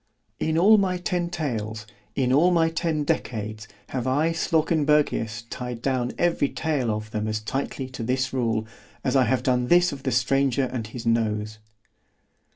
In all my ten tales, in all my ten decades, have I Slawkenbergius tied down every tale of them as tightly to this rule, as I have done this of the stranger and his nose.